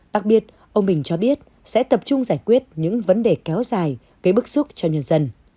đặc biệt ông bình cho biết sẽ tập trung giải quyết những vấn đề kéo dài gây bức xúc cho nhân dân